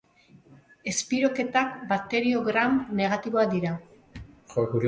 Espiroketak bakterio Gram negatiboak dira.